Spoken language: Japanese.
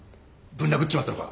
ぶん殴っちまったのか？